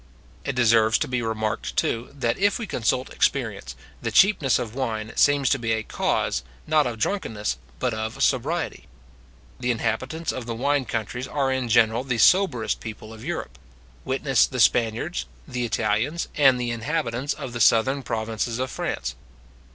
It deserves to be remarked, too, that if we consult experience, the cheapness of wine seems to be a cause, not of drunkenness, but of sobriety. The inhabitants of the wine countries are in general the soberest people of Europe; witness the Spaniards, the Italians, and the inhabitants of the southern provinces of France.